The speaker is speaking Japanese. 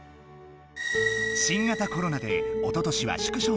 新型コロナでおととしは縮小開催。